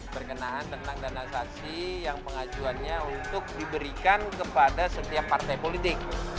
berkenaan tentang dana saksi yang pengajuannya untuk diberikan kepada setiap partai politik